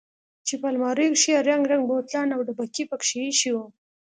چې په الماريو کښې يې رنګ رنګ بوتلان او ډبکې پکښې ايښي وو.